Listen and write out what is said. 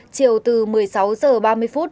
chiều từ một mươi sáu giờ ba mươi phút